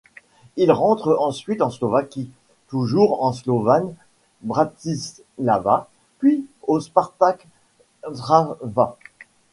Il rentre ensuite en Slovaquie, toujours au Slovan Bratislava, puis au Spartak Trnava.